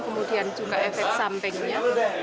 kemudian juga efek sampingnya